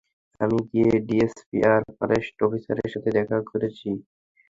আমি গিয়ে ডিএসপি আর ফরেস্ট অফিসারের সাথে দেখা করছি।